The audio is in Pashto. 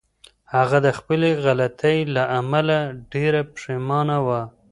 هغه د خپلې غلطۍ له امله ډېره پښېمانه وه.